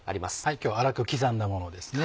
今日は粗く刻んだものですね。